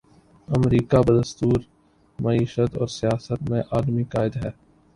امریکہ بدستور معیشت اور سیاست میں عالمی قائد ہے۔